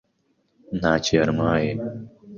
ntacyo yantwaye.